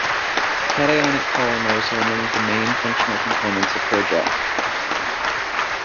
Cationic polymers are among the main functional components of hair gel.